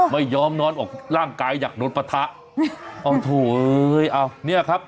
ไม่ยอมนอนออกร่างกายอยากโดนปะทะโอ้โหเอ้ยเอาเนี่ยครับ